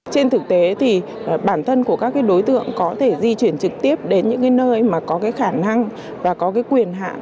trên thực tế thì bản thân của các đối tượng có thể di chuyển trực tiếp đến những nơi có khả năng và quyền hạm